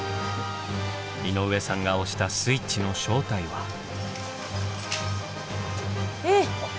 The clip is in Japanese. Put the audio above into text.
井上さんが押したスイッチの正体は。えっ。